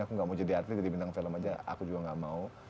aku nggak mau jadi atlet jadi bintang film aja aku juga gak mau